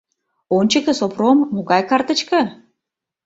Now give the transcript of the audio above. Ончыкто, Сопром, могай карточка?